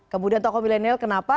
kemudian tokoh milenial kenapa